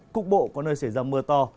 cục bộ có nơi xảy ra mưa to